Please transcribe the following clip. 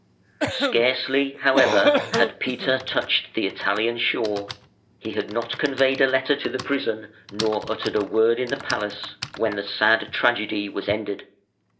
Scarcely, however, had Peter touched the Italian shore he had not conveyed a letter to the prison nor uttered a word in the palace when the sad tragedy was ended.